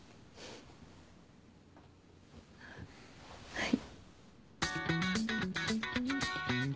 はい。